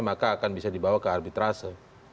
maka akan bisa dibawa ke arbitrase